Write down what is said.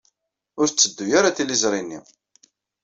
Ur tetteddu ara tliẓri-nni.